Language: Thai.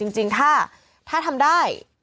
จริงถ้าทำได้